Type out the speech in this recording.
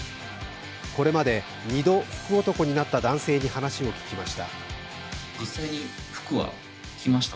これまで２度、福男になった男性に話を聞きました。